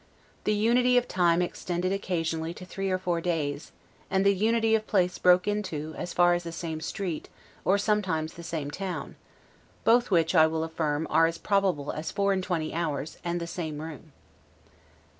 The unity of time extended occasionally to three or four days, and the unity of place broke into, as far as the same street, or sometimes the same town; both which, I will affirm, are as probable as four and twenty hours, and the same room.